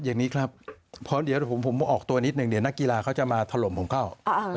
อย่างนี้ครับเพราะเดี๋ยวผมออกตัวนิดนึงเดี๋ยวนักกีฬาเขาจะมาถล่มผมเข้า